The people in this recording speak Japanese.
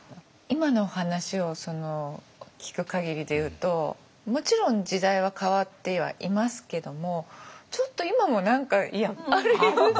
今の話を聞く限りで言うともちろん時代は変わってはいますけどもちょっと今も何かあるように。